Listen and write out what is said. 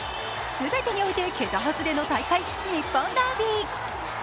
全てにおいて桁外れの大会日本ダービー。